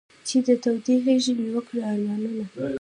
چې د تودې غېږې مې و کړې ارمانونه.